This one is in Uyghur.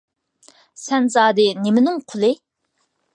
سەن زادى نېمىنىڭ قۇلى؟